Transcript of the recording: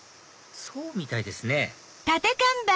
そうみたいですね